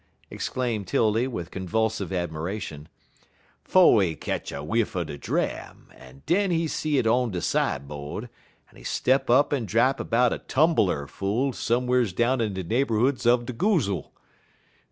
exclaimed 'Tildy, with convulsive admiration. " 'Fo' he ketch a whiff er de dram, en den he see it on de side bode, en he step up en drap 'bout a tumbeler full some'rs down in de neighborhoods er de goozle.